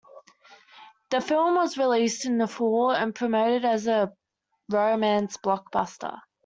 The film was released in the fall and promoted as a romance blockbuster.